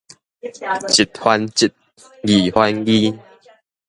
一還一，二還二